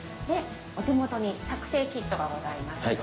でお手元に作成キットがございます。